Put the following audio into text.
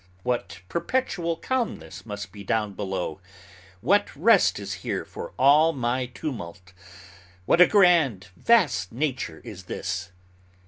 What perpetual calmness must be down below! What rest is here for all my tumult! What a grand, vast nature is this!"